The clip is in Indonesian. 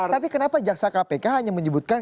tapi kenapa jaksa kpk hanya menyebutkan